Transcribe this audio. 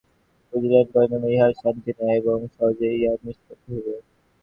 বুঝিলেন, পরিণামে ইহার শান্তি নাই এবং সহজে ইহার নিষ্পত্তি হইবে না।